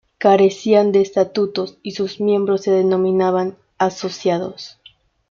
Carecía de estatutos y sus miembros se denominaban 'asociados'.